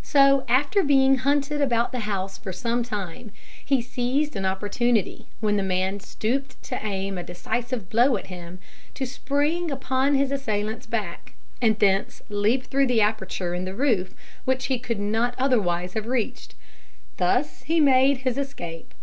So, after being hunted about the house for some time, he seized an opportunity, when the man stooped to aim a decisive blow at him, to spring upon his assailant's back, and thence leap through the aperture in the roof, which he could not otherwise have reached. Thus he made his escape.